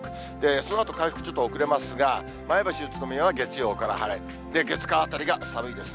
そのあと回復ちょっと遅れますが、前橋、宇都宮は月曜から晴れ、月、火あたりが寒いですね。